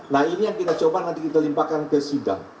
nah ini yang kita coba nanti kita limpahkan ke sidang